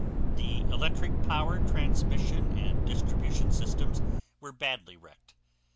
The electric power transmission and distribution systems were badly wrecked.